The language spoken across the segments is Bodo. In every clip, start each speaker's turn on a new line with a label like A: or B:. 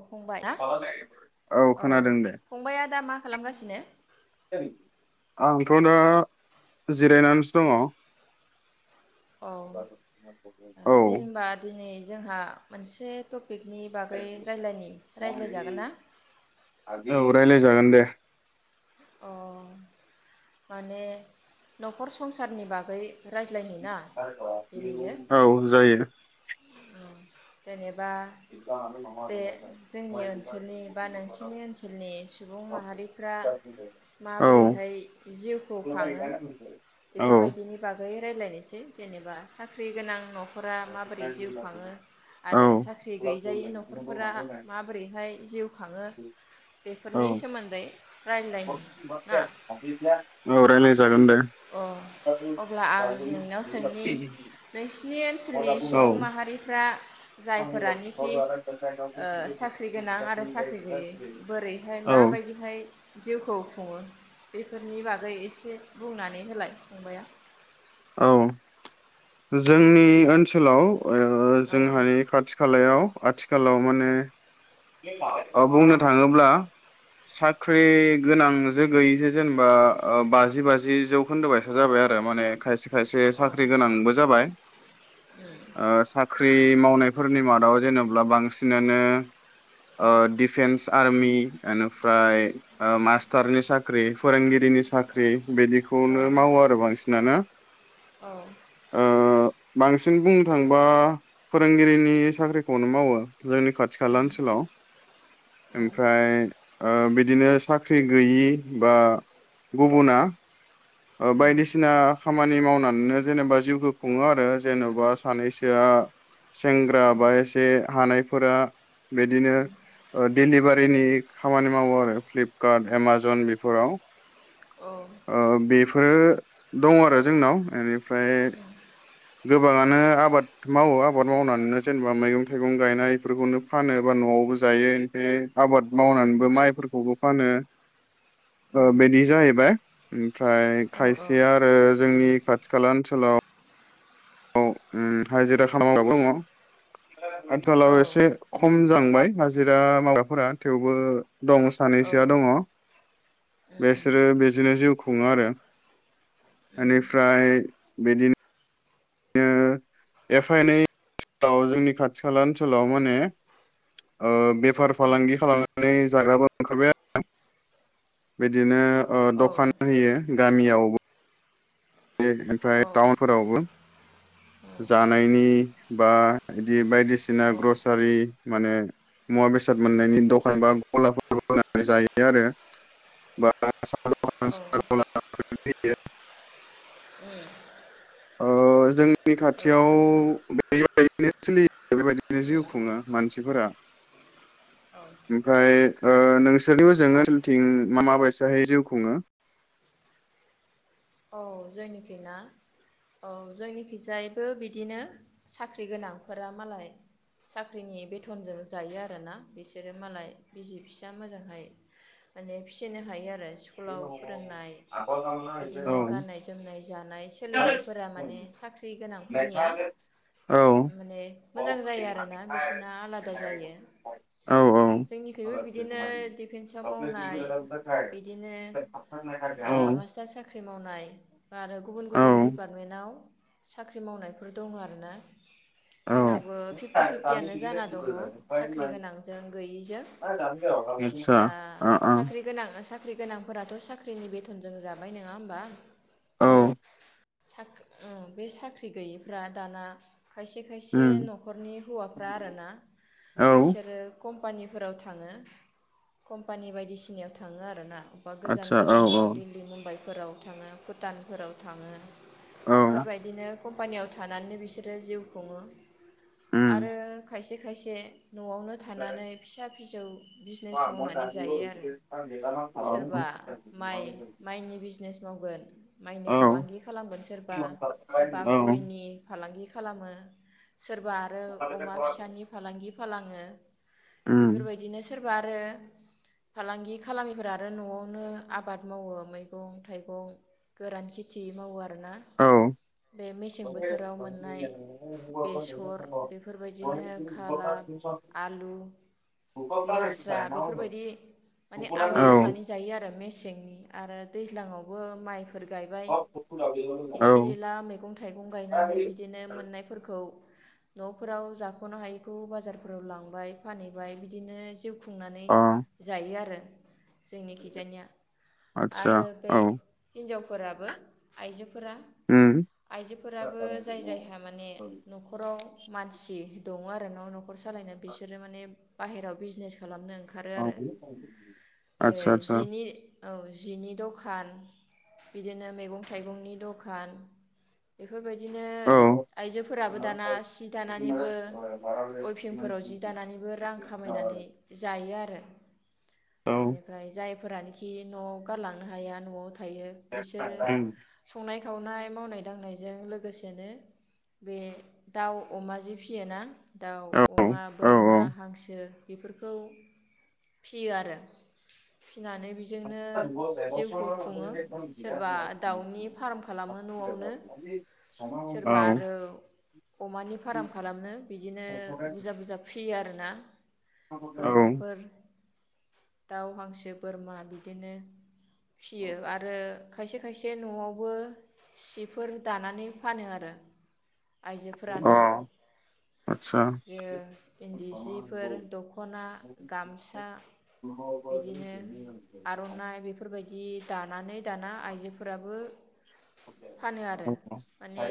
A: फंबाय ना
B: औ खोनादों दे
A: फंबाया दा मा खालामगासिनो
B: आंथ' दा जिरायनानैसो दङ
A: औ ओ
B: औ
A: दिन होनबा दिनै जोंहा मोनसे टपि पिकनि बागै रायलायनि रायज्लायजागोन ना
B: जागोन दे
A: अ माने न'खर संसारनि बागै राय
B: [unintelligible] औ जायो
A: औ जेनेब बा बे जोंनि ओनसोलनि बा नोंसिनि ओनसोलनि सुबुं माहारिफ्रा
B: औ
A: माबोरैहाय जिउखौ खाङो
B: औ
A: बेफोरबायदिनि बागै रायलायनोसै जेनेबा साख्रि गोनां न' न'खरा माबोरै जिउ खाङो
B: औ
A: आरो साख्रि गैजायै न'खरफोरा माबोरैहाय जिउ खाङो
B: औ
A: बेफोरनि सोमोन्दै रायलायनि ना
B: औ रायलायजा
A: अ अब्ला आं नोंनाव सोंनि नोंसिनि
B: औ
A: ओनसोलनि सुबुं माहारिफ्रा जायफोरानोखि ओ साख्रि गोनां आरो साख्रि गैयै बोरैहाय
B: औ
A: माबायदिहाय जिउखौ खुङो बेफोरनि बागै एसे बुंनानै होलाय फंबाया
B: औ जोंनि ओनसोलाव ओ
A: औ
B: जोंहानि खाथि खालायाव आथिखालाव माने ओ बुंनो थाङोब्ला साख्रि गोनां जों गैयिजों जेनेबा ओ बाजि बाजि जौखोन्दोबायसा जाबाय आरो माने खायसे सायसे
A: औ
B: साख्रि गोनांबो फाय ओ साख्रि मावनाय फोरनि मादाव जेनेब्ला बांसिनानो ओ डिफेन्स आर्मि एनिफ्राय ओ मास्टारनि साक्रि साख्रि फोरोंगिरिनि साख्रि
A: औ
B: बिदिखौनो मावो आरो बांसिनानो
A: औ
B: ओ बांसिन बुंनो थांबा फोरोंगिरिनि साख्रिखौनो मावो जोंनि खाथि खाला ओनसोलाव ओमफ्राय ओ बिदिनो साख्रि गैयि बा गुबुना ओ बायदिसिना खामानि मावनानैनो जेनेबा जिउखौ खुङो आरो जेन'बा सानैसोआ सेंग्रा बा एसे हानाय। फोरा बिदिनो लिभारिनि खामानि मावो आरो फ्लिपकार्ट एमाजन बेफोराव
A: औ
B: ओ बेफोरो दङ आरो जोंनाव ओमफ्राय गोबाङानो आबाद मावो आबाद मावनानैनो जेनेबा मैगं थाइगं गायनाय बेफोरखौनो फानो न'आवबो जायो ओमफ्राय आबाद मावनानैबो माइफोरखौबो फानो ओ बिदि जाहैबाय उम ओमफ्राय
A: औ
B: खायसेया आरो जोंनि खाथि खाला ओनसोलाव औ ओम हाजिरा खामला मावग्राबो दङ।
A: औ
B: आथालाव एसे खम जांबाय हाजिरा मावग्राफोरा थेवबो दङ सानैसोआ दङ बेसोरो बेजोंनो जिउखौ खुङो आरो बेनिफ्राय बिदिनो एफ एनै ओनाव जोंनि खाथि खाला ओनसोलाव माने ओ बेफार फालांगि खालामनानै जाग्राबो ओंखारबाय आरो। बिदिनो ओ दखान होयो गामियावबो बे ओमफ्राय टाउनफोरावबो जानायनि बा बिदि बायदिसिना बायसिना ग्रसारि माने मुवा बेसाद मोननायनि दखान बा गलाफोर होनानै जायो आरो बा
A: औ
B: [unintelligible] [unintelligible] जोंनि
A: औ
B: खाथियाव बैनो सोलियो बेबायदिनो जिउ खुङो मानसिफोरा ओमफ्राय ओ नोंसोरनिबो ओजों ओनसोलथिं मा बायसाहायै जिउ खुङो
A: औ जोंनिखि ना औ जोंनिखिजायैबो बिदिनो साख्रि गोनांफोरा मालाय साख्रिनि बेथनजों जायो आरोना बिसोरो मालाय बिसि फिसा मोजांहाय माने फिसिनो हायो आरो स्कुलाव फोरोंनाय
B: [unintelligible]
A: बिदिनो गाननाय जोमनाय जानाय सोलिनायफोरा माने साख्रि गोनांफोरनिया माने मोजां जायो आरोना बिसोरना आलादा जायो
B: औ
A: जोंनिख्रबो बिदिनो दिफेन्सआव मावनाय बिदिनो
B: औ
A: नाय आरो गुबुन गुबुन
B: औ
A: डिपार्टमेन्टाव साख्रि मावनायफोर दङो आरोना
B: औ
A: जोंनाबो फिफ्टि फिफ्टियानो जाना दङ साख्रि गोनांजों गैयिजों
B: आतसा
A: दा
B: अ अ
A: साख्रि गोनांनो सा साख्रि गोनांफोराथ' साख्रिनि बेथनजों जाबायनो नङा होमबा
B: औ
A: साख अ बे साख्रि गैयैफ्रा दाना खायसे खायसे
B: उम
A: न'खरनि हौवाफ्रा आरोना
B: औ
A: बिसोरो कम पानिफोराव थाङो कम्पानि बायदिसिनायाव थाङो आरो ना अब्बा गोजान
B: आतसा औ औ
A: गोजानाव दिल्ली मुम्बाइ फोराव थाङो भुटानफोराव थाङो
B: औ
A: बेफोरबायदिनो कम्पानियाव थानानैनो बिसोरो जिउ खुङो
B: उम
A: आरो खायसे खायसे न'आवनो थानानै फिसा फिसौ बिजनेस मावनानै जायो आरो
B: [unintelligible]
A: नेस मावगोन माइनि फालांगि खालामगोन सोरबा सोरबा गयनि फालांगि खालामो सोरबा आरो अमा फिसानि फालांगि फालाङो। बेफोर बायदिनो सोर बा आरो फालांगि खालामिफोरा आरो न'आवनो आबाद मावो मैगं थाइगं गोरान खेथि मावो आ आरोना बे मेसें बोथोराव मोननाय बेसर बेफोर बायदिनो खाला, आलु, लेस्रा बेफोरबायदि माने आबाद मावनानै जायो आरो मेसेंनि आरो दैज्लांआव बो माइ फोर गायबाय
B: औ
A: एसे
B: औ
A: एला मैगं थाइगं गायनानै बिदिनो मोननायफोरखौ न'फोराव जाख'नो हायैखौ बाजारफोराव लांबाय फानहैबाय बिदिनो जिउ खुंनानै
B: अ
A: जायो आरो। जोंनि खैजानिया
B: आतसा
A: आरो बे
B: औ
A: हिनजावफोराबो आइजो फोरा
B: उम
A: आइजोफोराबो जाय जायहा माने न'खराव मानसि दङ आरो ना न'खर सालायनो बिसोरो माने बाहेरायाव बिजनेस खालामनो। ओंखारो आरो जे
B: आतसा आतसा।
A: जिनि औ जिनि दखान बिदिनो मैगं थाइगंनि दखान बे। फोरबायदिनो
B: औ औ
A: आइजोफोराबो दाना सि दानानैबो अयफिंफोराव जि दानानैबो रां खामायनानै जायो आरो
B: उम औ
A: बेनिफ्राय जाय फोरानोखि न'आव गारलांनो हाया न'आव ओमफ्रायो बिसोरो संनाय सावनाय मावनाय-दांनायजों लोगोसेनो बे दाउ अमा जि फिसियोना दाउ, अमा,
B: औ
A: बोरमा, हांसो बेफोरखौ फिसियो आरो फिसिनानै बेजोंनो जिउखौ खुङो सोरबा दाउनि फाराम खालामो नवावनो
B: औ
A: सोरबा
B: औ
A: आरो अमानि फाराम खालामनो बिदिनो बुरजा बुरजा फि सियो आरो ना?
B: अ
A: बोरमाफोर दाउ हांसो बोरमा बिदिनो फिसियो आरो खायसे खायसे न'आवबो सिफोर दानानै फानो आरो आइजोफोरानो
B: आतसा
A: ओ इनदि जिफोर दखना गामसा बिदिनो आर'नाइ बेफोरबायदि दानानै दाना आइजोफोराबो फानो आरो
B: औ
A: माने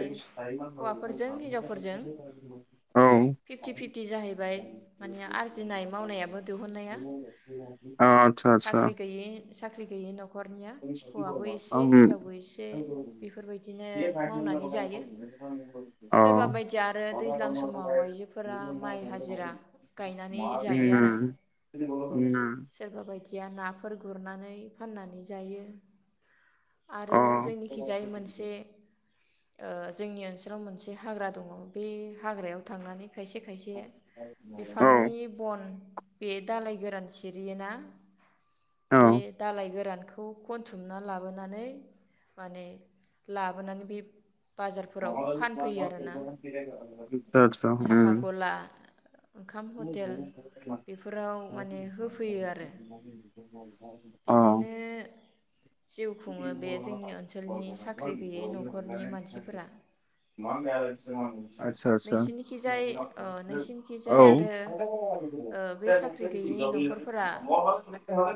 A: हौवाफोरजों हिनजावफोरजों
B: [unintelligible]
A: फिफ्टि फिफ्टि जाहैबाय माने आरजिनाय मावनायाबो दिहुननाया
B: आतसा आतसा
A: साख्रि गैयै साख्रि गैयै नखरनिया हौवाबो एसे
B: उम
A: हिनजावबो एसे बेफोरबायदिनो मावनानै जायो
B: अ
A: सोरबा बायदिया आरो दैज्लां सम समाव आइजोफोरा माइ हाजिरा गायनानै जायो आरो
B: आतसा
A: सोरबा बायदि या नाफोर गुरनानै फाननानै जायो आरो जोंनिखिजायै मोनसे ओ जोंनि ओनसोलाव मोनसे हाग्रा दङ बे हाग्रायाव थांनानै खायसे खायसे बिफांनि बन बे दालाइ गोरान सिरियो ना बे दालाइ गोरान खौ खनथुमना लाबोनानै माने लाबोनानै बे बाजारफोराव फानफैयो आरोना
B: [unintelligible]
A: साहा गला ओंखाम हटेल बेफोराव माने होफैयो आरो बिदिनो जिउ खुङो बे जोंनि ओनसोलनि साख्रि गैयै नखरनि मानसिफोरा
B: [unintelligible]
A: नोंसिनिखिजाय ओ नोंसिनिखिजाय आरो
B: आदसा
A: ओ बे साख्रि गैयि न'खरफोरा
B: आदसा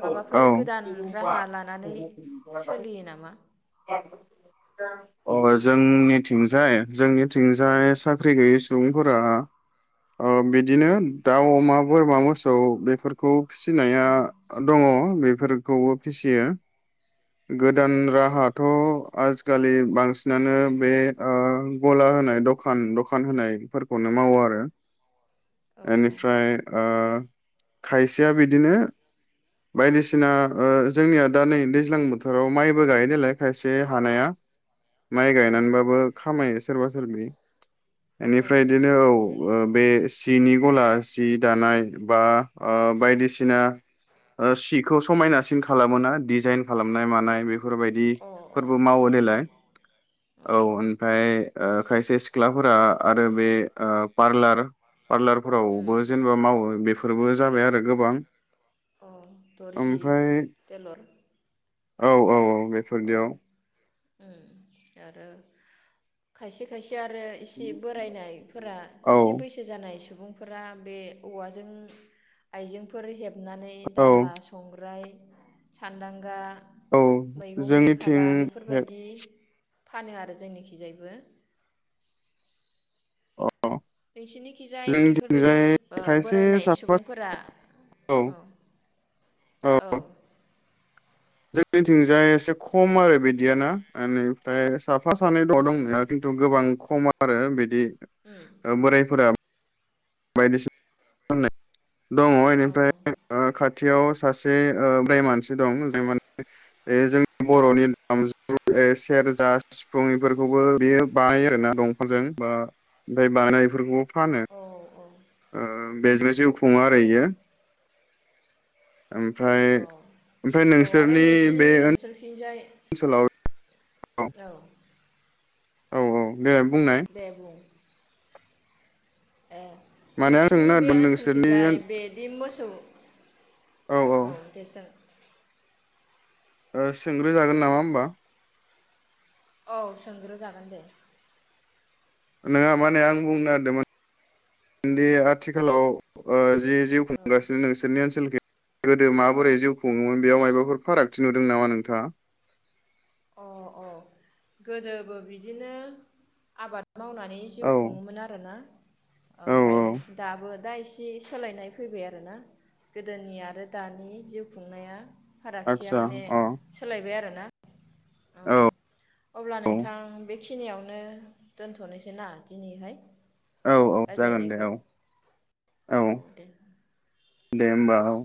A: माबाफोर गोदान राहा लानानै सोलियो नामा?
B: औ अ जोंनि थिंजाय जोंनि
A: औ
B: थिंजाय साख्रि गैयै सुबुंफोरा ओ बिदिनो दाउ अमा बोरमा मोसौ बेफोरखौ फिसिनाया दङ बेफोर खौबो फिसियो
A: उम
B: गोदान राहाथ' आजिखालि बांसिनानो बे ओ गला होनाय दखान दखान होनायफोरखौनो मावो आरो
A: औ
B: एनिफ्राय ओ खायसेया बिदिनो बायदिसिना जोंनिया दा ओ नै दैज्लां बोथोराव माइबो गायो नालाय खायसे हानाया माइ
A: औ
B: गायनानैबाबो खामायो सोरबा सोरबि
A: औ
B: बेनिफ्राय बिदिनो औ ओ बे सिनि गला सि दानाय बा ओ बायदिसिना सिखौ समायनासिन खालामोना डिजाइन खालामनाय मानाय बे
A: औ अ अ
B: बेफोरबायदिफोरबो मावो
A: फैफिन
B: देलाय औ ओ खायसे सिख्लाफोरा आरो बे पार्लार
A: उम
B: पार्लारफोरावबो जेनेबा मावो बेफोर फोरबो जाबाय आरो गोबां
A: अ दुरजि
B: ओमफ्राय
A: तेलर
B: औ औ औ
A: औ
B: बेफोरदियाव
A: आरो खायसे खायसे आरो एसे बोरायनायफोरा
B: औ
A: एसे बैसो जानाय सुबुं फोरा बे औवाजों आइजेंफोर हेब खुनानै
B: औ
A: दाला संग्राय सानदांगा
B: औ
A: मैगंनि
B: जोंनिथिं
A: खादा
B: हे-
A: बेफोरबायदि फानो आरो जोंनिखिजायबो
B: अ
A: नोंसिनिखिजाय बेफोरबायदि
B: जोंनिथिंजाय
A: ओ
B: खायसे
A: बोरायनाय
B: साफा
A: सुबुंफोरा औ औ
B: जोंनिथिंजाय एसे खम आरो बिदिया ना एनिफ्राय साफा सानै
A: उम
B: दं दंनाया
A: उम
B: खिन्थु गोबां खम आरो बिदि
A: उम
B: बोरायफोरा बायदिसिना होननाय दङ
A: औ
B: बेनिफ्राय खाथ खाथियाव सासे ओ बोराइ मानसि दं ज माने जोंनि बर'नि दामजु सेरजा सिफुं बेफोरखौबो बेयो बानायो आरोना दंफांजों बा ओमफ्राय बानाय बेफोरखौबो फानो
A: औ
B: ओ बेजों जिउ खुङो
A: औ
B: आरो इयो ओमफ्राय ओमफ्राय
A: औ आरो
B: नोंसोरनि
A: नोंसिनि
B: बे
A: ओनसोलथिंजाय
B: सोलाव औ औ औ देलाय बुंनाय
A: देबुं ए
B: माने आं सोंनो
A: नोंसिनि बे
B: नागिरदों
A: ओनसोलखै
B: नोंसोरनि
A: जाय बे दि मोसौ
B: औ औ
A: दे सों
B: सोंग्रो जागोन नामा होमबा?
A: औ सोंग्रो जागोन दे
B: नङा माने आं बुंनो नागिरदोंमोनदि आथिखालाव ओ जि जिउ
A: औ
B: खुंगासिनो नोंसोरनि ओनसोलखै गोदो माबोरै जिउ खुङोमोन बेयाव मायबाफोर फारागथि नुदों नामा नोंथाङा?
A: अ अ गोदोबो बिदिनो आबाद मावनानै जिउ
B: औ
A: खुङोमोन आरोना
B: औ
A: ओमफ्राय
B: औ
A: दाबो दा एसे सोलायनाय फैबाय आरोना गोदोनि आरो दानि जिउ खुंनाया। फारागथिया
B: आदसा
A: माने
B: अ
A: सोलायबाय आरो दा औ अब्ला नोंथां बे बेखिनियावनो दोनथ'नोसै ना दिनैहाय।
B: औ औ जागोन दे
A: रायज्लायनायखौ
B: औ औ दे होमबा औ